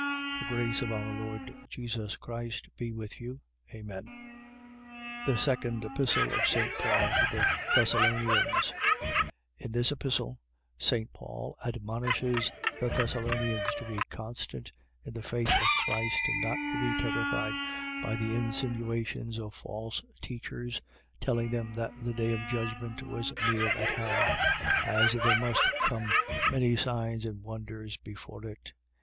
5:28. The grace of our Lord Jesus Christ be with you. Amen. THE SECOND EPISTLE OF ST. PAUL TO THE THESSALONIANS In this Epistle St. Paul admonishes the Thessalonians to be constant in the faith of Christ and not to be terrified by the insinuations of false teachers telling them that the day of judgment was near at hand, as there must come many signs and wonders before it.